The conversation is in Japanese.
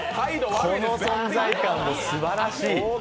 この存在感もすばらしい。